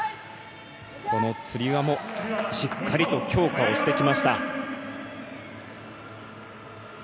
つり輪もしっかりと強化をしてきました。